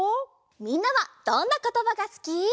みんなはどんなことばがすき？